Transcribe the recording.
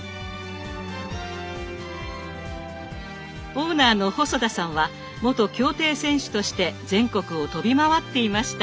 オーナーの細田さんは元競艇選手として全国を飛び回っていました。